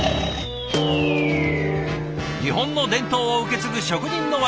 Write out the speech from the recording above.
日本の伝統を受け継ぐ職人の技